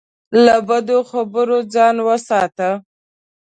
له بدو خبرو ځان وساته.